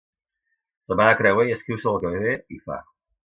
Se'n va de creuer i escriu sobre el que ve i fa.